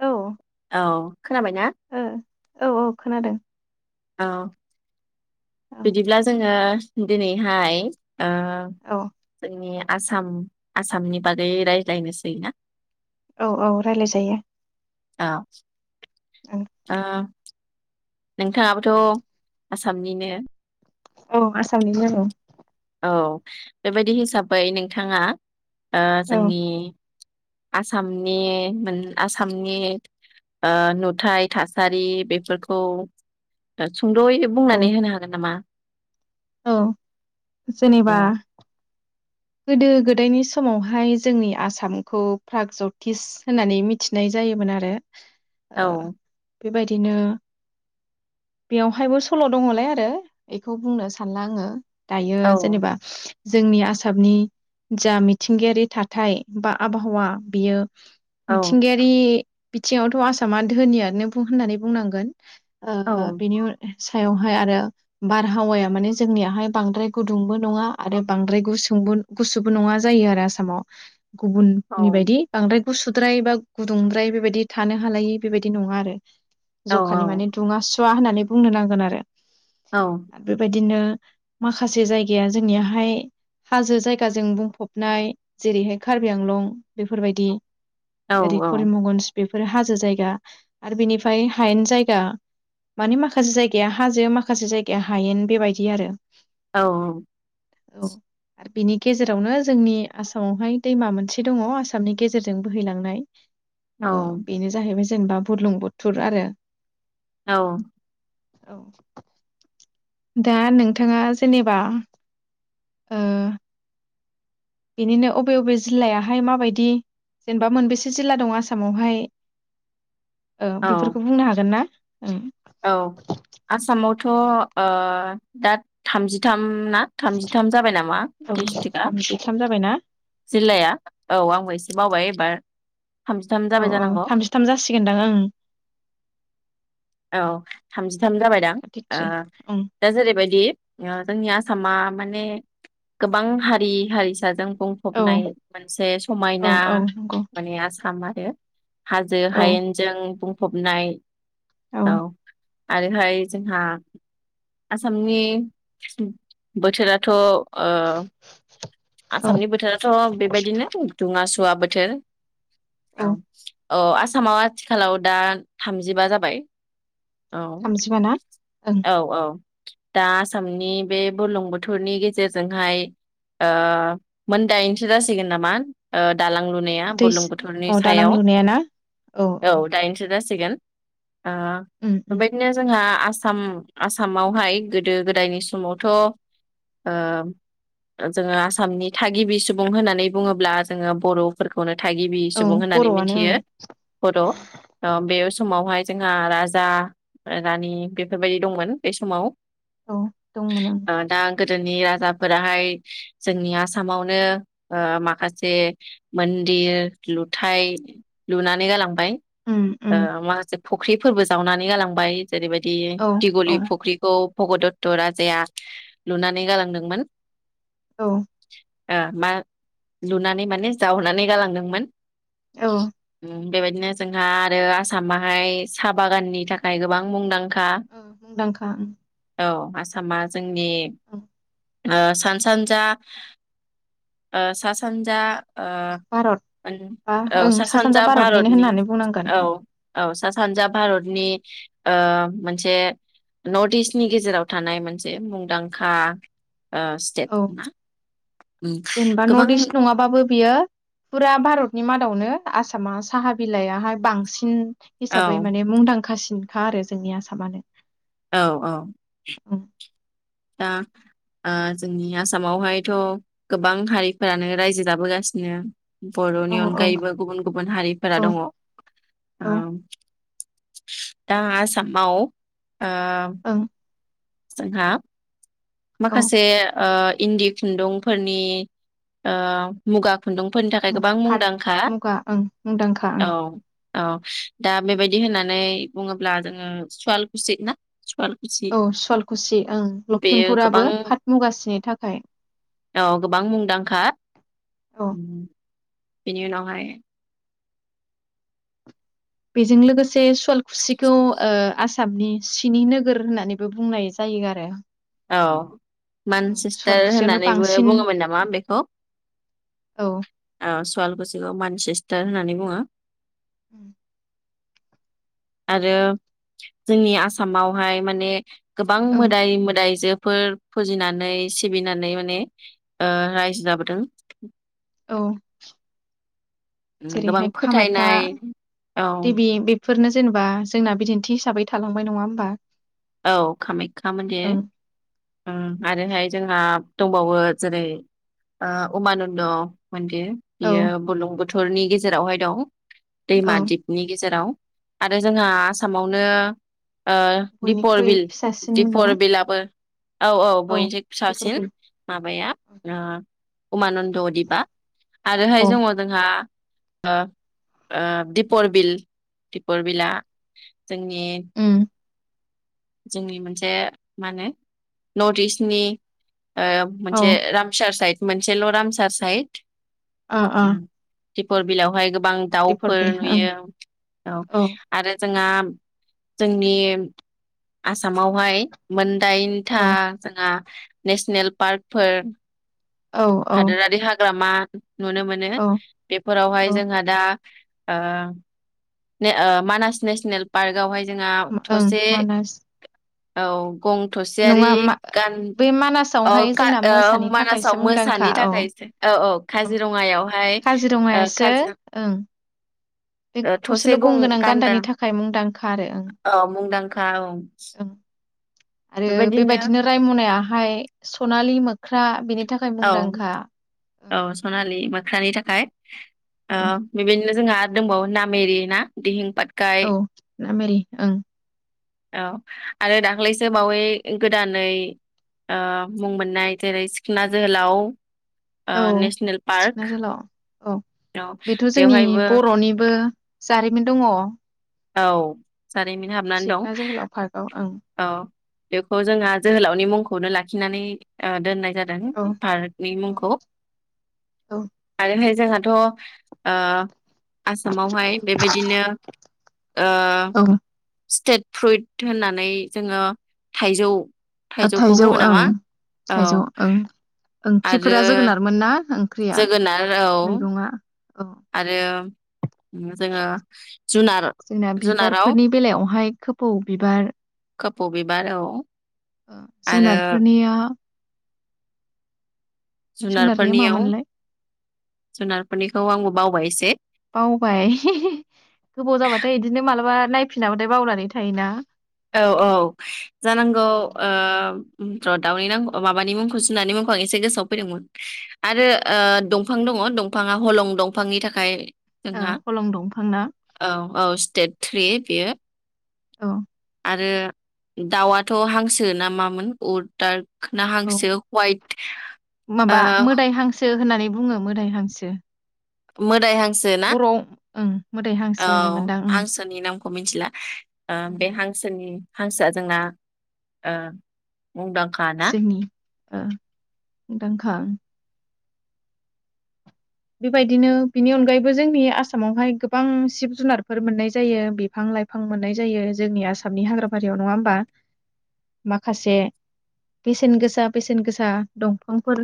औ औ खोनाबाय ना? औ खोनादों अ औ बिदिब्ला जोङो दिनैहाय ओ औ जोंनिया आसाम आसामनि बागै रायज्लायनोसै ना? औ औ रायलाय जायो। औ ओ नोंथाङाबोथ' आसामनिनो औ आसामनिनो आं औ बेबायदि हिसाबै नोंथाङा ओ औ जोंनि आसामनि मोन आसामनि ओ नुथाय थासारि बेफोर खौ ओ सुंद'यै बुंनानै औ होनो हागोन नामा? औ औ जेनेबा गोदो गोदायनि समावहाय जोंनि आसामखौ प्रागज्यतिस होननानै मिथिनाय जायोमोन आरो। ओ औ बेबायदिनो बेयावहायबो सल' दङलाय आरो बेखौ बुंनो सानला आङो दायो औ जेनेबा जोंनि आसा मनि जा मिथिंगायारि थाथाय बा आबहावा बियो औ मिथिंगायारि बिथिङावथ आसामा धोनियानो बुं होननानै बुंनांगोन। औ ओ बिनि सायावहाय आरो बारहावाया माने जोंनियाहाय बांद्राय गुदुंबो नङा आरो बांद्राय गुसु गुसुबो नङा जायो आरो आसामाव। औ गुबुननि बायदि बांद्राय गुसुद्राय बा गुदुंद्राय बेबायदि थानो हालायि बेबायदि नङा आरो। औ जखानि मानानि दुङा सु ङा होननानै बुंनो नांगोन आरो। औ आरो बेबायदिनो माखासे जायगाया जोंनियाहाय हाजो जायगाजों बुंफबनाय जेरैहाय कार्बि आंलं बेफोरबायदि औ ओरै करिमगन्ज बेफोरो हाजो जायगा आरो बेनिफ्राय हायेन जायगा मानि माखासे जायगाया हाजो माखासे जायगाया हायेन बेबायदि आरो। औ। औ आरो बिनि गेजेरावनो जोंनि आसामावहाय दैमा मोनसे दङ आसामनि गेजेरजों बोहैलांनाय औ बेनो जाहैबाय। जेनेबा बुरलुंबुथुर आरो। औ। औ। दा नोंथाङा जेनेबा बिनिनो अबे अबे जिल्लायाहाय माबायदि जेनेबा मोनबेसे जिल्ला दं आसामावहाय औ बेफोरखौ बुंनो हागोन ना? ओं। औ आसामावथ ओ दा थामजिथाम ना थामजिथाम जाबाय नामा औ डिस्ट्रिक्टआ थामजिथाम जाबायना जिल्लाया औ आंबो एसे बावबाय [unintelligible] औ जाबाय औ जानांगौ थामजिथाम जासिगोनदां ओं। औ थामजिथाम जाबाय दां थार्टिथ्रि ओं दा जेरै बेबायदि जोंनि आसामा माने गोबां हारि हारिसाजों औ बुंफबनाय मोनसे औ समायना औ नंगौ माने आसामा [inaudible] हाजो औ हायेनजों बुं फबनाय औ। आरोहाय जोंहा आसामनि बोथोराथ' ओ औ आसामनि बोथोराथ' बेबायदिनो दुङासुङा जा बोथोर औ। औ आसामाव आथिखालाव दा थामजिबा जाबाय औ थामजिबा ना ओं औ औ दा आसामनि बे बलुं बोथोरनि गेजेरजोंहाय ओ मोनदायनोसो जासिगोन नामा दालां लुनाया दै बुलुं बोथोरनि औ दालां सायाव लुनाया ना औ दाइनसो दासि - सिगोन ओ उम उम बेबायदिनो जोंहा आसाम आसामावहाय गोदो गोदायनि समावथ' ओ जोङो आसामनि थागिबि सुबुं होननानै बुङोब्ला जोङो बर'फोरखौनो थागिबि औ सुबुं बर'आनो होननानैथियो बड' बे ओं समावहाय जोंहा राजा रानि बेफोरबायदि दंमोन बे समाव औ दंमोन ओ दा गोदोनि राजाफोराहाय जोंनि आसामावनो ओ माखासे मन्दिर लुथाय लुनानै गालां बाय उम ओ उम आं माखासे फुख्रिफोरबो जावनानै गालांबाय जेरैबायदि औ दिगलि औ फुख्रिखौ भगदत्त राजाया लुनानै गालांदोंमोन औ ओ मा लुनानै माने जाहोननानै गालांदोंमोन। औ उम बेबायदिनो जोंहा आरो आसामा साहा बागाननि थाखाय गोबां मुंदां औ मुंदांखां आसाम जों बे ओ सा सानजा ओ सा सानजा ओ भारत बा औ ओं सा सानजा भारतनिनो भारतनि होननानै बुंनांगोन औ औ सा सानजा ओं भारतनि ओ मोनसे नर्थ इस्टनि गेजेराव थानाय मोनसे मुंदांखा ओ स्टेट औ ना उम जेनेबा गोबां नर्थ इस्ट नङाबाबो बियो फुरा भारतनि मादा दावनो आसामा साहा बिलाइहाय बांसिन औ हिसाबै माने मुंदांखासिन खा आरो जोंनि आसामानो औ औ उम दा ओ जोंनि आसामावहायथ गोबां हारिफोरानो रायजो जाबोगासिनो औ बरनि औ अनगायैबो गुबुन गुबुन हारिफोरा औ दंङ औ दा आसामाव ओ ओं जोंहा औ माखासे ओ इन्दि खुन्दुंफोरनि ओ मुगा खुन्दुंफोरनि थाखाय ओं गोबां पाट मुंदांखा मुगा ओं मुंदांखा ओं औ औ दा बेबायदि होननानै बुङोब्ला जोङो सुवाल खुसि ना सुवालकुसि औ सुवालकुसि ओं बेयो लखिमपुर गोबां [inaudible] औ गोबां मुंदांखा गो औ बिनि उनावहाय बेजों लोगोसे सुवालखुसिखौ ओ आसामनि सिनि नोगोर होननानैबो बुंनाय जायो आरो औ ओं मानसेस्टार सुवालकुसियावनो होननानैबो बांसिन बुङोमोन नामा बेखौ औ [inaudible] ओ सुवालकुसिखौ मानसेस्टार होननानै बुङो। [inaudible] आरो जोंनि आसामावहाय माने गोबां ओं मोदाय मोदाय जोफोर फुजिनानै सिबिनानै माने ओ रायजो जाबोदों औ उम गोबां जेरैहाय कामाख्या फोथायनाय औ देबि बेफ फोरनो जेनेबा जोंना बिदिन्थि हिसाबै थालांबाय नंङा होमबा? औ कामाख्या ओं मन्दिर ओं आरोहाय जोंहा दंबावो जेरै ओ उमानन्द मन्दिर औ बेयो बुरलुंबुथ बुथुरनि गेजेरावहाय दं औ दैमा दिपनि गेजेराव आरो जोंहा आसामाव नो ओ दिपर बयनिख्रुइ बिल फिसासिनमोन नामा दिपर बिलाबो औ औ बयनिस दिपर फिसासिन बिल माबाया ओ उमानन्द दिपा आरोहाय औ दंङ जोंहा ओ ओ दिपर बिल दिपर बिलाआ जोंनि उम जोंनि मोनसे मा होनो नर्थ इस्टनि ओ औ मोनसे रामसार साइद मोनसे ल रामसार साइड अ अ तिपर बिलवहाय गोबां दाउफोर ओं नुयो औ आरो जोंहा जोंनि आसामावहाय मोन दाइनथा औ जोंहा नेसनेल पार्कफोर औ औ ग्रामा नुनो मोनो औ बेफोरावहाय औ जोंहा दा ओ ने ओ मानास नेसनेल पार्कआव हाय ओं मानास औ गं थसेयारि नङा मा गान बे ओ मानासावहाय का जोंना ओ मोसानि थाखायसो मानासाव मुंदांखा मोसानि औ थाखायसो औ औ काजिरंङायावहाय ओ काजिरङायासो काजि ओं ओ [unintelligible] थसेल' थसे गं गंगोनां गान्दा गान्दानि थाखाय मुंदांखा आरो ओं औ मुंदांखा औ ओं आरो बे बेबायदिनो बायदिनो रायमनाया फ्राय सनालि मोख्रा बिनि औ औ सनालि मोख्रानि थाखाय ओ औ बेबाय जोंहा दंबावो नामेरि ना दिहिं पाटकाय औ नामेरि ओं औ आरो दाख्लैसो बावै गोदानै ओ मुं मोननाय जेरै सिखोना जोहोलाव ओ औ नेसनेल पार्क सिखना जोलाव औ औ बेथ' जोंनि बेवहायबो बर'निबो जारिमिन दङ औ जारिमिन हाबनानै दं सिखना जोहोलाव पार्कआव ओं औ बेखौ जोंहा जोहोलावनि मुंखौनो ला खिनानै ओ दोननाय जादों औ पार्कनि औ मुंखौ आरोहाय जोंहाथ' ओ आसामावहाय बेबायदिनो अ औ स्टेट फ्रुइट होननानै जोङो थाइजौ थाइजौखौ थाइजौ बुङो ओं नामा? औ थाइजौ ओं आरो ओंख्रिफोरा जोगोनारमोन ना ओं जोगोनार औ औ आरो जोङो जुनार जोंना जुनाराव बिबारफोरनि बेलायावहाय खोफौ बिबार खोपौ बिबार औ ओ आरो जुनारफोरनिया जुनारनिया मा जुनारफोरनियाव मोनलाय जुनारफोरनिखौ आंबो बावबाय एसे बावबाय गोबाव जाबाथाय इदिनो मालाबा नायफिनाबाथाय बावनानै थायोना औ औ जानांगौ औ ओ ओम र दावनि नां अ माबानि मुंखौ जुनारनि मुंखौ आं एसे गोसोआव फैदोंमोन आरो ओ दंफां दङ दंफाङा हलं दंफांनि थाखाय ओ हलं दंफां ना [unintelligible] औ औ स्टेट थ्रि बेेयो अह आरो दाउआथ' हांसो नामामोन उदडार्ट औ खोनाहांसो हवाइट ओ माबा मोदाय हांसो होननानै बुङो मोदायहांसो मोदाय हां बर'आव ओं मोदाय हांसो होनो मोन दां ओं हांसोनि नामखौ मिथिला ओ ओं बे हांसोनि हांसोआ जोंना ओ मुंदांखा ना जोंनि ओ मुंदांखा ओम बेबायदिनो बिनि अनगायैबो जोंनि आसामावहाय गोबां सिब जुनारफोर मोननाय जायो बिफां लाइफां मोननाय जायो जोंनि आसामनि हाग्राबारियाव नङा होमबा माखासे बेसेन गोसा बेसेन गोसा दंफांफोर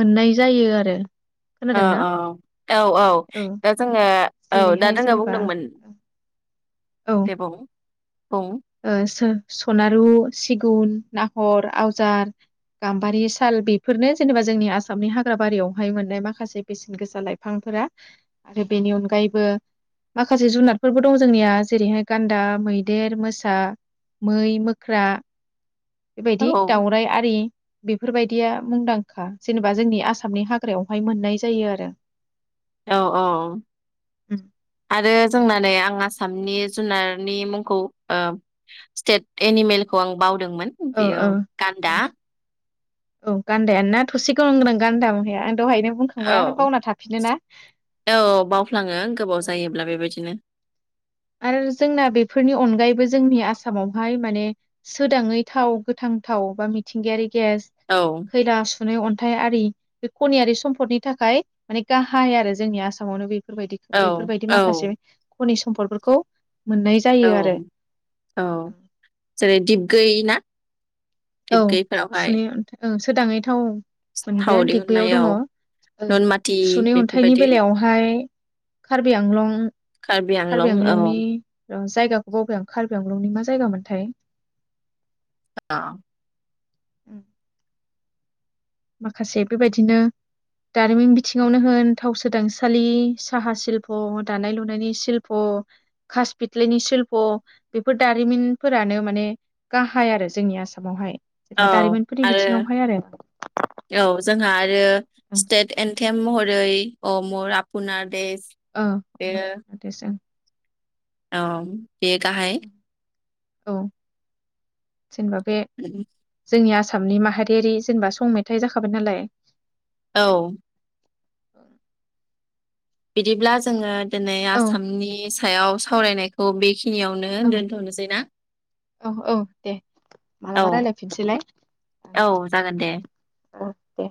मोननाय जायो आरो ओ खोनादोंना औ औ औ दा जोङो औ दा जेरैहाय जोङो जेनेबा बुंदोंमोन औ दे बुं बुं ओ सोर सनारु सिगुन नाहर आवजार गाम्बारि साल बेफोरनो जेनेबा जोंनि आसामनि हाग्राबारियावहाय मोननाय माखासे बेसेन गोसा लाइफांफोरा आरो बेनि अनगायैबो माखासे जुनादफोरबो दं जोंनिया जेरैहाय गान्दा मैदेर मोस सा मै मोख्रा औ बेबायदि दाउराइ आरि बेफोरबायदिया मुंदांखा जेनेबा जोंनि आसामनि हाग्रायावहाय मोननाय जायो आरो औ औ आरो जोंना नै आं आ सामनि जुनारनि मुंखौ ओ स्टेट एनिमेलखौ आं बाव दोंमोन ओ बेयो औ गान्दा औ गान्दाया ना थसे गं गोनां गान्दा [unintelligible] बुंखांबाय औ आरो बावना थाफिनो ना औ बावफ्लाङो गोबाव जायोब्ला बेबायदिनो। आरो जोंना बेफोरनि अनगायैबो जोंनि आसामावहाय माने सोदाङै थाव गोथांथाव बा मिथिंगायारि गेस औ खैला सु नै अन्थाइ आरि बे खनियारि सम्पदनि थाखाय माने गाहाय आरो जोंनि आसामावनो बे बेफोरबायदि औ बेफोरबायदि औ माखासे खनि सम्पदफोर खौ औ औ जेरै दिगबै ना? औ दिपगैफोरावहाय सुनै अन्थाय सोदाङै थाव थाव मोनग्राया दिहुननाय दिग्बैयाव औ दङ। नुनमाथि सुुनै अन्थाइनि बेफोरबायदि बेलायावहाय कार्बि आंलं, आंलं कार्बि औ आंलंनि जायगाखौ बावबाय आं कार्बि आंलंनि मा जायगा मोनथाय? अ। उम। माखासे बेबायदिनो, दारिमिन बिथिङावनो होन थाव सोदांसालि साहा सिशल्प', दानाय लुनायनि सिशल्प', खास फिथलिनि शल्प' बेफोर दारिमिनफोरानो माने गाहाय आरो जोंनि आसामावहाय। औ जेनेबा दारिमिनफोरनि आरो बिथिङावहाय आरो। औ जोंहा आरो सिटेथ एनड थे महरै अ' मर आपनार देश ओ अ'मर बेयो अपनार देस औ। बे गाहाय औ। जेनेबा बे जोंनि आसा आसामनि माहारियारि जेनेबा सं मेथाइ जाखाबाय नालाय औ। [unintelligible] बिदिब्ला जोङो दोनै औ आसामनि सायाव सावरायनायखौ बेखिनि खिनियावनो ओं दोनथ'नोसै ना? औ औ दे औ मालाबा रायलायफिनसैलाय औ जागोन दे। औ दे।